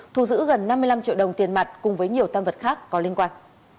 thu giữ gần năm mươi năm triệu đồng tiền mặt cùng với nhiều tam vật khác có liên quan